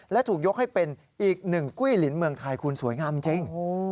และถูกยกให้เป็นอีกหนึ่งกุ้ยลินเมืองไทยคุณสวยงามจริง